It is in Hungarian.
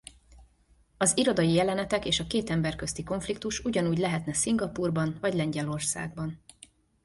Az irodai jelenetek és a két ember közti konfliktus ugyanúgy lehetne Szingapúrban vagy Lengyelországban.